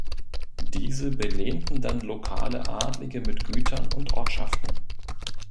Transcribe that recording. Diese belehnten dann lokale Adlige mit Gütern und Ortschaften.